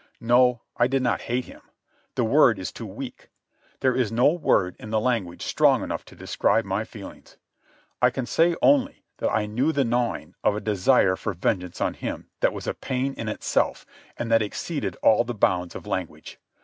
No; I did not hate him. The word is too weak. There is no word in the language strong enough to describe my feelings. I can say only that I knew the gnawing of a desire for vengeance on him that was a pain in itself and that exceeded all the bounds of language.